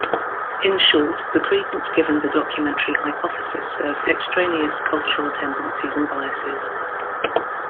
In short, the credence given the Documentary Hypothesis served extraneous cultural tendencies and biases.